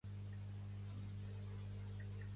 Totes les tendes duien la marca "Music Zone".